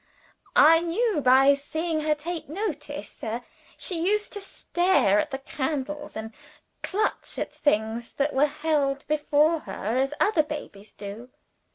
"I knew by seeing her take notice, sir. She used to stare at the candles, and clutch at things that were held before her, as other babies do."